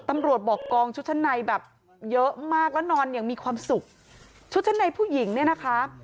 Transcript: มีความสุขชุดชั้นในผู้หญิงเนี่ยนะคะ